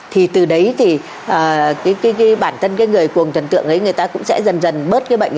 thì từ đấy thì cái cái cái bản thân cái người cuồng trần tượng ấy người ta cũng sẽ dần dần bớt cái bệnh ấy đi